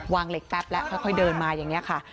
เหล็กแป๊บแล้วค่อยเดินมาอย่างนี้ค่ะ